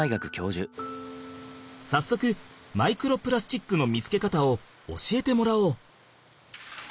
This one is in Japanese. さっそくマイクロプラスチックの見つけ方を教えてもらおう。